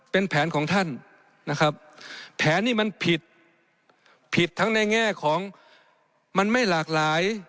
เป็นแผนของท่านนะครับแผนนี้มันผิดผิดทั้งในแง่ของมันไม่หลากหลาย